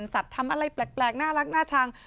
สัตว์ทำอะไรแปลกน่ารักน่าชัง